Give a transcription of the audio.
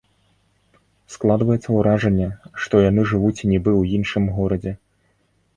Складваецца ўражанне, што яны жывуць нібы ў іншым горадзе.